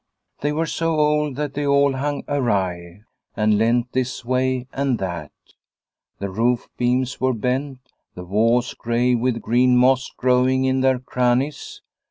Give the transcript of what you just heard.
They were so old that they all hung awry, and leant this way and that. The roof beams were bent, the walls grey with green moss growing in their crannies.